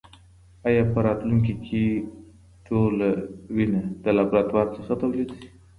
ایا په راتلونکې کې ټول وینه د لابراتوار څخه تولید شي؟